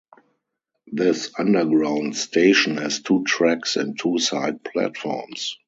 This underground station has two tracks and two side platforms.